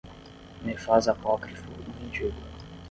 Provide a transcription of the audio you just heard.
me faz apócrifo e mendigo.